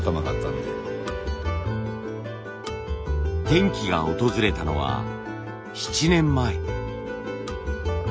転機が訪れたのは７年前。